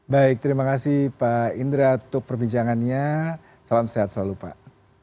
baik terima kasih pak indra untuk perbincangannya salam sehat selalu pak